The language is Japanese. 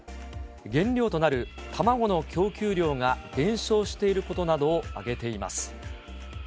原料となる卵の供給量が減少していることなどを挙げています。